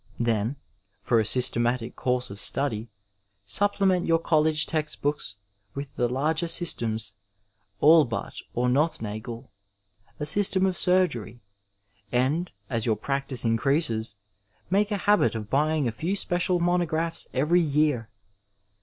Then, for a systematic course of study, supplement your college textbooks with the larger systems — ^Allbutt or Nothnagel— « system of surgery, and, as your practice increases, make a habit of buying a few special monographs eveiy year.